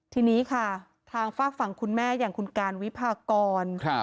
ทีนี้ค่ะทางฝากฝั่งคุณแม่อย่างคุณการวิพากร